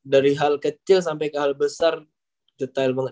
dari hal kecil sampai ke hal besar detail banget